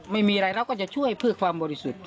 ไม่มีอะไรเราก็จะช่วยเพื่อความบริสุทธิ์